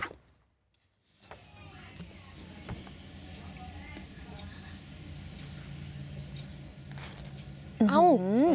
อ้าว